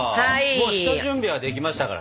もう下準備はできましたからね。